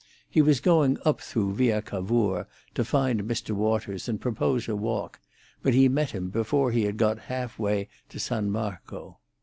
He was going up through Via Cavour to find Mr. Waters and propose a walk, but he met him before he had got half way to San Marco.